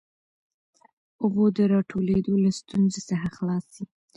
اوبو د راټولېدو له ستونزې څخه خلاص سي.